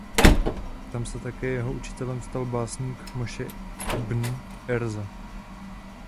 Tam se také jeho učitelem stal básník Moše ibn Ezra.